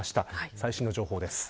最新の情報です。